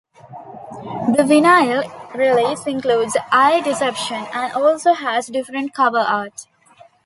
The vinyl release includes "I, Deception" and also has different cover art.